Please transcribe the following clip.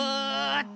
っと。